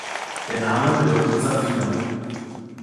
Der Name bedeutet Saphir.